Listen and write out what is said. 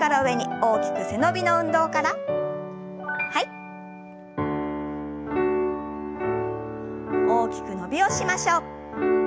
大きく伸びをしましょう。